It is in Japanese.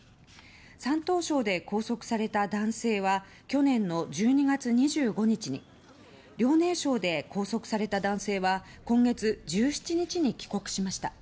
山東省で拘束された男性は去年の１２月２５日に遼寧省で拘束された男性は今月１７日に帰国しました。